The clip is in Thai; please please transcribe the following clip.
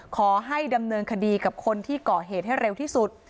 ขอให้ดำเนินคดีกับคนที่ก่อเหตุให้เร็วที่สุด